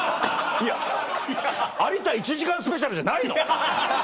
有田１時間スペシャルじゃないの？